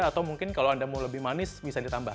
atau mungkin kalau anda mau lebih manis bisa ditambah